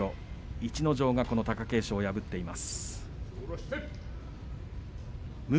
逸ノ城が貴景勝を破っています。